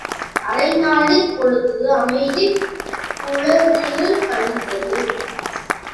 அரைநாழிப் பொழுது அமைதிப் புலரியில் கழிந்தது.